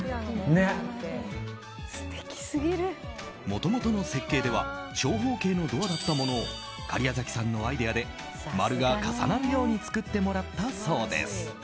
もともとの設計では長方形のドアだったものを假屋崎さんのアイデアで丸が重なるように作ってもらったそうです。